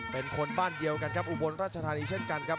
เป็นคนบ้านเดียวกันครับอุบลราชธานีเช่นกันครับ